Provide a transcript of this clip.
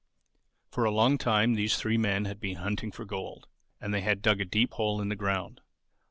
For a long time these three men had been hunting for gold; and they had dug a deep hole in the ground.